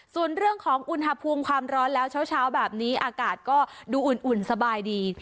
ส่วนเรื่องของอุณหภูมิความร้อนแล้วเช้าแบบนี้อากาศก็ดูอุ่นสบายดี